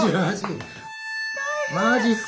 マジっすか。